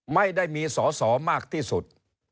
ไม่ได้มีสอสอมากที่สุด